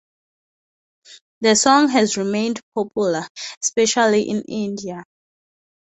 The song has remained popular, especially in India.